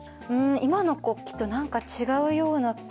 うん今の国旗と何か違うような。